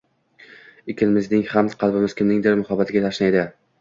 Ikkimizning ham qalbimiz kimningdir muhabbatiga tashna edi